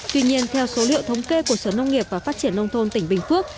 tuy nhiên theo số liệu thống kê của sở nông nghiệp và phát triển nông thôn tỉnh bình phước